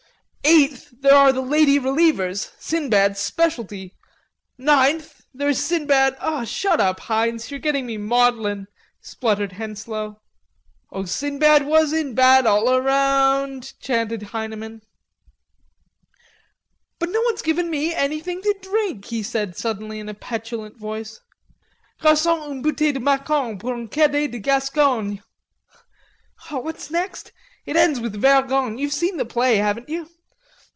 Eighth: there are the lady relievers, Sinbad's specialty. Ninth: there's Sinbad...." "Shut up, Heinz, you're getting me maudlin," spluttered Henslowe. "O Sinbad was in bad all around," chanted Heineman. "But no one's given me anything to drink," he said suddenly in a petulant voice. "Garcon, une bouteille de Macon, pour un Cadet de Gascogne.... What's the next? It ends with vergogne. You've seen the play, haven't you?